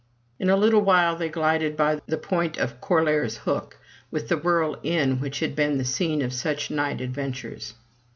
In a little while they glided by the point of Corlaer's Hook with the rural inn which had been the scene of such night adven tures.